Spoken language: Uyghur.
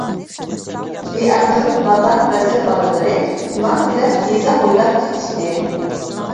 بىئەقىل نادان ۋەزىر بالىلىرى، نان تىلەپ يېزا بويلاپ كېتىشتى.